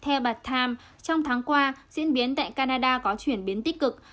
theo bà times trong tháng qua diễn biến tại canada có chuyển biến tích cực